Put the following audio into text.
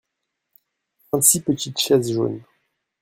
Vingt-six petites chaises jaunes.